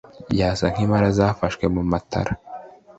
Yasa nkimpala zafashwe mumatara